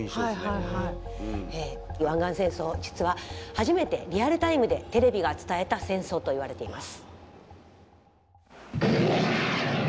湾岸戦争実は初めてリアルタイムでテレビが伝えた戦争といわれています。